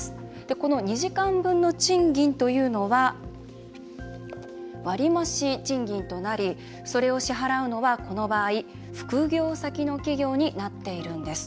この２時間分の賃金というのは割増賃金となりそれを支払うのは、この場合副業先の企業になっているんです。